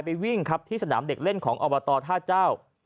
วิ่งครับที่สนามเด็กเล่นของอบตท่าเจ้า